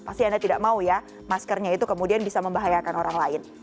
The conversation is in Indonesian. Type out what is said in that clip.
pasti anda tidak mau ya maskernya itu kemudian bisa membahayakan orang lain